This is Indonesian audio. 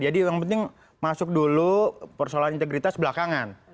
jadi yang penting masuk dulu persoalan integritas belakangan